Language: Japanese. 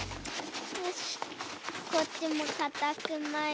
よしこっちもかたくまいて。